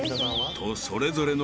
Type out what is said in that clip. ［とそれぞれの］